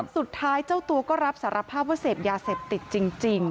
เจ้าตัวก็รับสารภาพว่าเสพยาเสพติดจริง